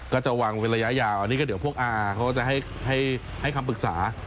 ก็จะวางเป็นระยะยาวอันนี้ก็เดี๋ยวพวกอาเขาก็จะให้คำปรึกษา